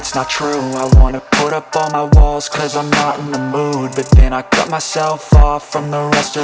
terima kasih banyak ya andita